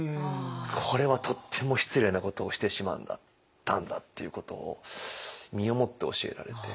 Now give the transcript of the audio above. これはとっても失礼なことをしてしまったんだっていうことを身をもって教えられて。